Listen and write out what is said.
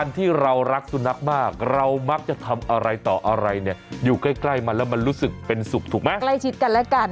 ถูกไหมใกล้ชิดกันแล้วกัน